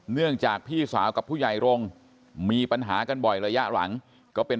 เนื่องจากพี่สาวกับผู้ใหญ่รงค์มีปัญหากันบ่อยระยะหลังก็เป็น